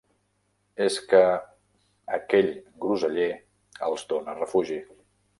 És que... aquell groseller els dóna refugi.